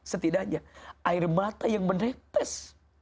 setidaknya air mata yang menetes